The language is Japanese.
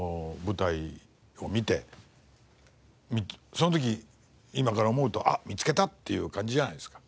その時今から思うと「あっ見つけた！」っていう感じじゃないですか。